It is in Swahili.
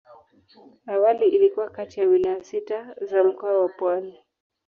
Awali ilikuwa kati ya wilaya sita za Mkoa wa Pwani.